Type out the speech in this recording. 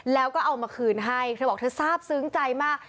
แล้วก็เอามาคืนให้เธอบอกเธอทราบซึ้งใจมาก